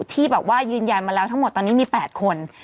ที่แบบว่ายืนยันมาแล้วทั้งหมดตอนนี้มี๘คน